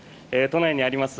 都内にあります